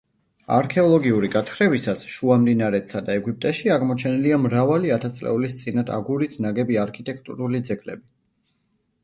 არქეოლოგიური გათხრებისას შუამდინარეთსა და ეგვიპტეში აღმოჩენილია მრავალი ათასწლეულის წინათ აგურით ნაგები არქიტექტურული ძეგლები.